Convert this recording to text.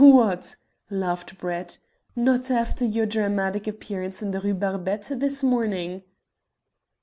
"What!" laughed Brett; "not after your dramatic appearance in the Rue Barbette this morning?"